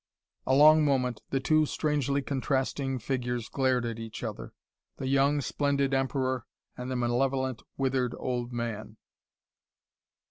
A long moment, the two strangely contrasting figures glared at each other, the young, splendid Emperor and the malevolent, withered old man.